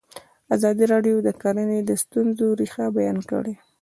ازادي راډیو د کرهنه د ستونزو رېښه بیان کړې.